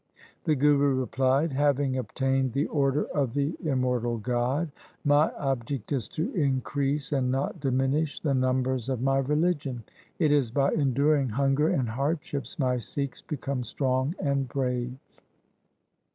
The Guru replied, ' Having obtained the order of the immor tal God, my object is to increase and not diminish the numbers of my religion. It is by enduring hunger and hardships my Sikhs become strong and brave.'